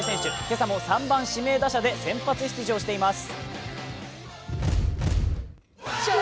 今朝も３番・指名打者で先発出場しています。